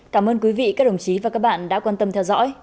cảm ơn quý vị các đồng chí và các bạn đã quan tâm theo dõi